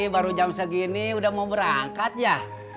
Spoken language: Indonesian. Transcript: baru jam segini udah mau berangkat ya